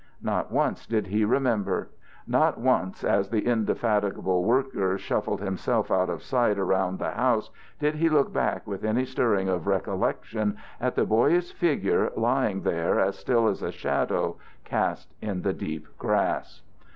Not once did he remember; not once as the indefatigable worker shuffled himself out of sight around the house did he look back with any stirring of recollection at the boyish figure lying there as still as a shadow cast in the deep grass.